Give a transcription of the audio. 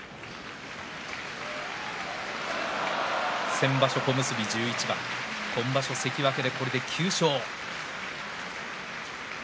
先場所、小結１１番今場所、関脇でこれで９勝。